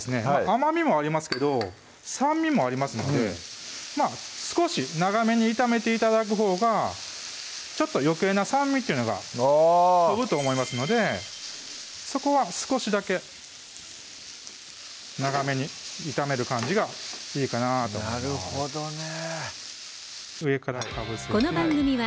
甘みもありますけど酸味もありますので少し長めに炒めて頂くほうがちょっとよけいな酸味っていうのがとぶと思いますのでそこは少しだけ長めに炒める感じがいいかなと思いますなるほどね